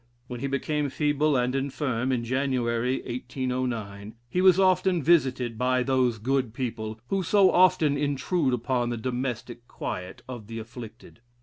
When he became feeble and infirm (in Jan. 1809) he was often visited by those "good people" who so often intrude upon the domestic quiet of the afflicted.